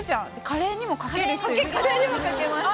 カレーにもかけます